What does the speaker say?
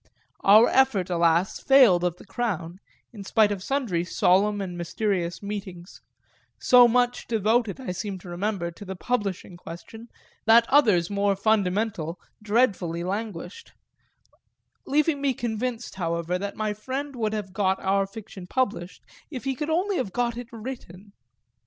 Our effort, alas, failed of the crown, in spite of sundry solemn and mysterious meetings so much devoted, I seem to remember, to the publishing question that others more fundamental dreadfully languished; leaving me convinced, however, that my friend would have got our fiction published if he could only have got it written.